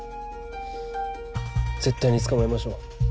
絶対に捕まえましょう。